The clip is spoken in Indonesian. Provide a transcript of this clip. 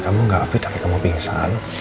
kamu nggak fit tapi kamu pingsan